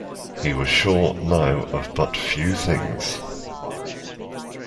He was sure, now, of but few things.